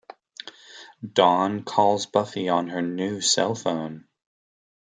Dawn calls Buffy on her new cell phone.